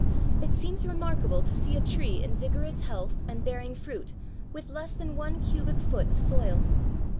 It seems remarkable to see a tree in vigorous health and bearing fruit with less than one cubic foot of soil.